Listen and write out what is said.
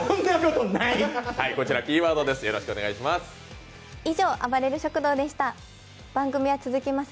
こちらキーワードです。